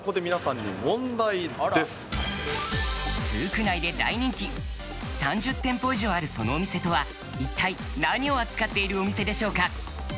スーク内で大人気３０店舗以上あるそのお店とは一体、何を扱っているお店でしょうか？